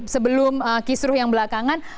sebelum kisru yang belakangan